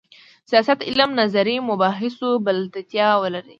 سیاست علم نظري مباحثو بلدتیا ولري.